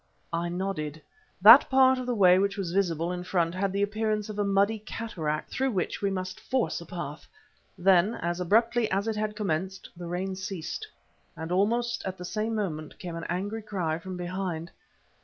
I nodded. That part of the way which was visible in front had the appearance of a muddy cataract, through which we must force a path. Then, as abruptly as it had commenced, the rain ceased; and at almost the same moment came an angry cry from behind.